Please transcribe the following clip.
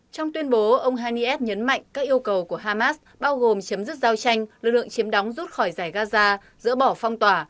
trong tuyên bố ông haniyev nhấn mạnh các yêu cầu của hamas bao gồm chấm dứt giao tranh lực lượng chiếm đóng rút khỏi giải gaza dỡ bỏ phong tỏa